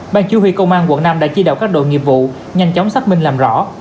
bang chủ huy công an quận năm đã chi đạo các đội nghiệp vụ nhanh chóng xác minh làm rõ